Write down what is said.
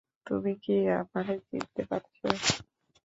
তুমি কি আমারে চিনতে পারছ?